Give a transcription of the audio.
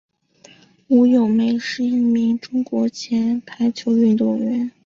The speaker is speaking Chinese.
吴咏梅是一名中国前排球运动员。